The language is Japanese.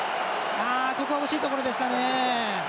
ここは惜しいところでしたね。